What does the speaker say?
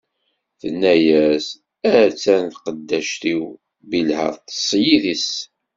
Tenna-as: a-tt-an tqeddact-iw Bilha, ṭṭeṣ yid-s.